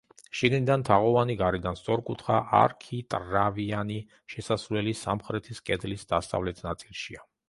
შიგნიდან თაღოვანი, გარედან სწორკუთხა, არქიტრავიანი შესასვლელი სამხრეთის კედლის დასავლეთ ნაწილშია.